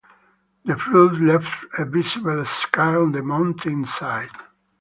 The flood left a visible scar on the mountainside.